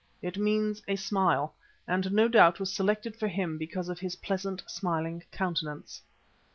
It means a Smile, and no doubt was selected for him because of his pleasant, smiling countenance.